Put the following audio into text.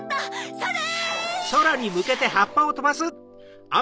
・それ！